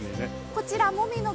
こちらもみの木